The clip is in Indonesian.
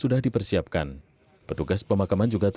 di saksikan oleh alayat